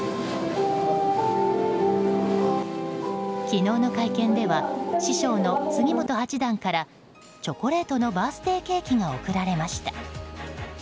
昨日の会見では師匠の杉本八段からチョコレートのバースデーケーキが贈られました。